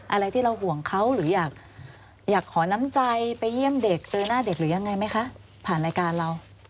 อะไรที่เราห่วงเขาหรืออยากขอน้ำใจไปเยี่ยมเด็กเจอหน้าเด็กหรือยังไงไหมคะผ่านรายการเรา